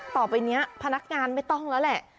ต่อไปนี้พนักงานไม่ต้องแล้วแหละ